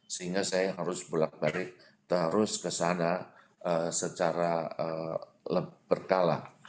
sehingga saya harus bolak balik terus ke sana secara berkala